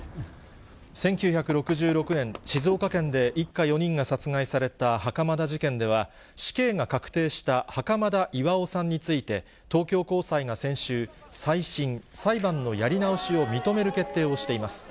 １９６６年、静岡県で一家４人が殺害された袴田事件では、死刑が確定した袴田巌さんについて、東京高裁が先週、再審・裁判のやり直しを認める決定をしています。